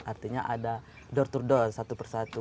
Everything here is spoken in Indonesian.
artinya ada door to door satu per satu